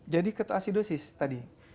jadi ketoasidosis tadi